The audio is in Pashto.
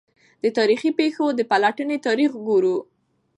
د تا ریخي پېښو د پلټني تاریخ ګورو.